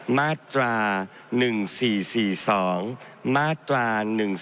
มาตรา๑๔๔๐